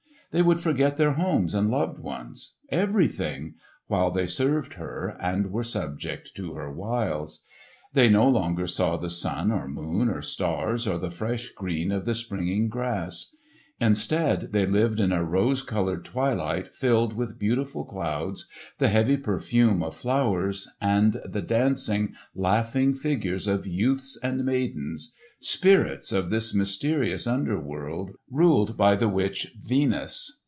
They would forget their homes and loved ones—everything—while they served her and were subject to her wiles. They no longer saw the sun or moon or stars or the fresh green of the springing grass. Instead, they lived in a rose coloured twilight filled with beautiful clouds, the heavy perfume of flowers, and the dancing, laughing figures of youths and maidens—spirits of this mysterious underworld ruled by the witch Venus.